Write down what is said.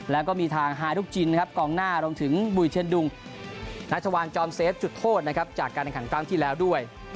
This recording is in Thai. แล้วก็มีทางฮายลูกจินกองหน้าลงถึงบุยเช็ดุงนักสวรรค์จอมเซฟจุดโทษจากการแรงขันตั้งที่แล้วด้วย